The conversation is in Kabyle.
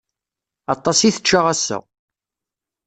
Aṭas i tečča ass-a.